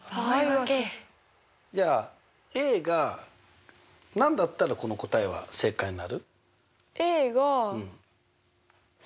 じゃあが何だったらこの答えは正解になる？